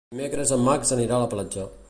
Dimecres en Max anirà a la platja.